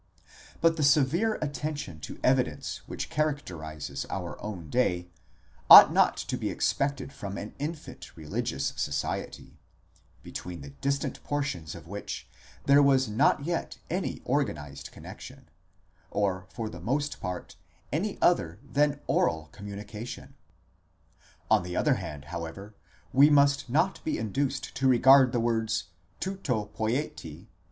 But the severe attention to evidence which characterizes our own day, ought not to be expected from an infant religious society, between the distant portions of which there was not yet any organized connexion, or for the most part any other than oral communication. On the other hand, however, we must not be induced to regard the words τοῦτο ποιεῖτε x.